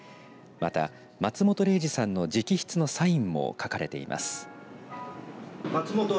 また、松本零士さんの直筆のサインも描かれています。